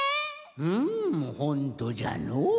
うんほんとじゃのう。